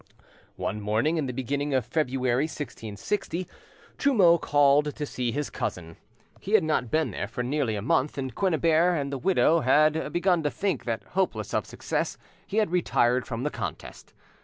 One morning in the beginning of February 1660, Trumeau called to see his cousin. He had not been there for nearly a month, and Quennebert and the widow had begun to think that, hopeless of success, he had retired from the contest.